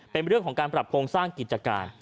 เป็นเรื่องของการปรับโครงสร้างกิจการ